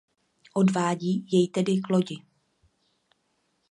Odvádí jej tedy k lodi.